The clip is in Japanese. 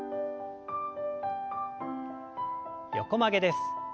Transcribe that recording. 横曲げです。